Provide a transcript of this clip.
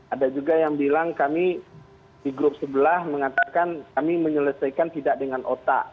ada juga yang bilang kami di grup sebelah mengatakan kami menyelesaikan tidak dengan otak